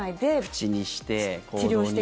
口にして、行動にして。